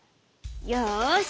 よし！